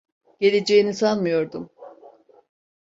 Geleceğini sanmıyordum.